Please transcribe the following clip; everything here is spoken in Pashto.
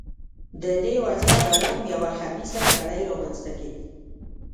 د دې وضعیت دوام یوه خبیثه کړۍ رامنځته کوي.